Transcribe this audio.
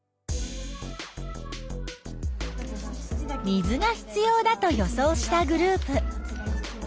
水が必要だと予想したグループ。